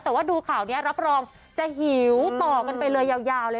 แต่ว่าดูข่าวนี้รับรองจะหิวต่อกันไปเลยยาวเลย